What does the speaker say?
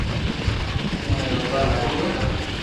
ھين رووا لاگيو